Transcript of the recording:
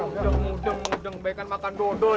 mudeng mudeng mudeng baik makan dodol